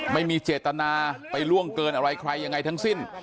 ไม่มีเจตนาไปล่วงเกินอะไรใครยังไงทั้งสิ้น